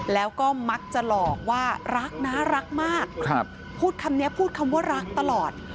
แล้วก็มักจะหลอกว่ารักนะรักมากพูดคำนี้พูดคำว่ารักตลอด